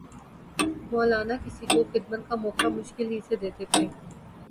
مولانا کسی کو خدمت کا موقع مشکل ہی سے دیتے تھے